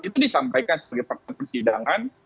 itu disampaikan sebagai fakta persidangan